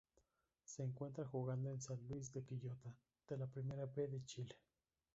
Se encuentra jugando en San Luis de Quillota de la Primera B de Chile.